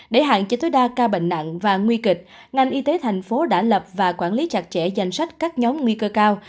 để hạn chế tối đa ca bệnh nặng và nguy kịch ngành y tế thành phố đã lập và quản lý chặt chẽ danh sách các nhóm nguy cơ cao